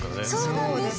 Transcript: そうなんです。